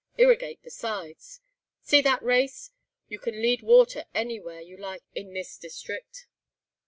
Irrigate besides. See that race? You can lead water anywhere you like in this district."